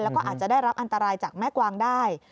แล้วก็อาจจะได้รับอันตรายจากแม่กวางได้